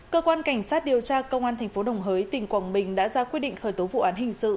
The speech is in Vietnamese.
cơ quan cảnh sát điều tra công an tp đồng hới tỉnh quảng bình đã ra quyết định khởi tố vụ án hình sự